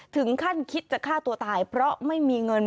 ถึงขั้นคิดจะฆ่าตัวตายเพราะไม่มีเงิน